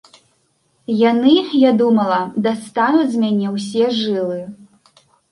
Яны, я думала, дастануць з мяне ўсе жылы.